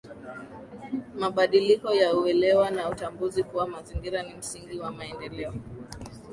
Mabadiliko ya uelewa na utambuzi kuwa mazingira ni msingi wa maendeleo